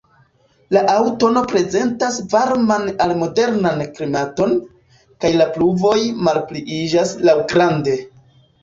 La aŭtuno prezentas varman al moderan klimaton, kaj la pluvoj malpliiĝas laŭgrade.